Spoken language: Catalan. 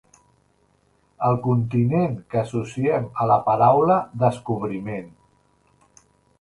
El continent que associem a la paraula descobriment.